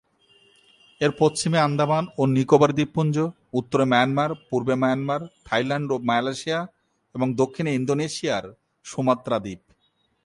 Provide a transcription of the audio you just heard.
এর পশ্চিমে আন্দামান ও নিকোবর দ্বীপপুঞ্জ, উত্তরে মায়ানমার, পূর্বে মায়ানমার, থাইল্যান্ড ও মালয়েশিয়া, এবং দক্ষিণে ইন্দোনেশিয়ার সুমাত্রা দ্বীপ।